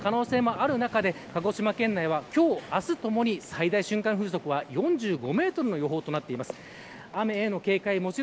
今日の午前中にも暴風域の中にという可能性もある中で鹿児島県内は今日、明日ともに最大瞬間風速は４５メートルの予報となっています。